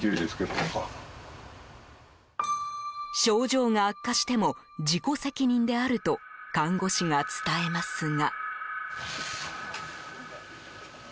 症状が悪化しても自己責任であると看護師が伝えますが。